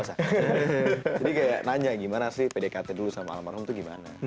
jadi kayak nanya gimana sih pdkt dulu sama almarhum itu gimana